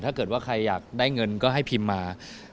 ถ้าเกิดว่าใครอยากได้เงินก็ให้พิมพ์มา